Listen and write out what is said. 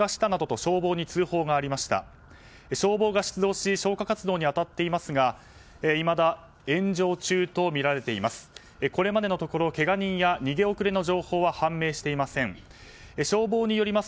消防が出動し消火活動に当たっていますがいまだ炎上中とみられています。